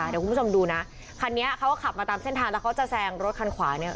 เดี๋ยวคุณผู้ชมดูนะคันนี้เขาก็ขับมาตามเส้นทางแล้วเขาจะแซงรถคันขวาเนี่ย